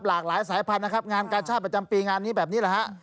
หลากหลายสายพันธุ์นะครับงานกาชาติประจำปีงานนี้แบบนี้แหละฮะ